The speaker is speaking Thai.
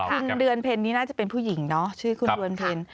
คุณเดือนเพ็ญนี่น่าจะเป็นผู้หญิงเนาะชื่อคุณเดือนเพ็ญ